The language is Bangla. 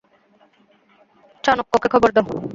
চাণক্যকে খবর দাও।